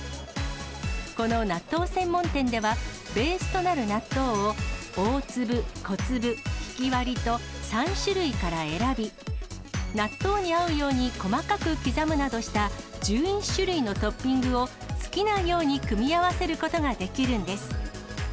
この納豆専門店では、ベースとなる納豆を、大粒、小粒、ひきわりと、３種類から選び、納豆に合うように細かく刻むなどした１１種類のトッピングを、好きなように組み合わせることができるんです。